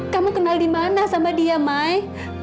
kamu kenal dimana sama dia mai